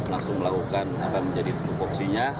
langsung melakukan akan menjadi tentu voksinya